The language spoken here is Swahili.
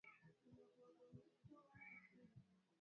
Maiti haulizwi sanda